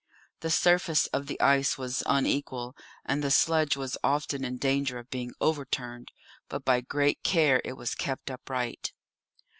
The surface of the ice was unequal, and the sledge was often in danger of being overturned, but by great care it was kept upright.